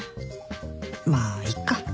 まあいっか。